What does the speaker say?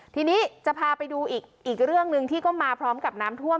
ทีนี้จะพาไปดูอีกเรื่องหนึ่งที่ก็มาพร้อมกับน้ำท่วม